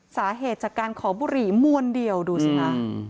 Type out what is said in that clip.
สาเหตุจากการขอบุหรี่มวลเดียวดูสิคะ